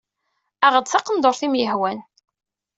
Aɣ-d taqendurt i am-yehwan.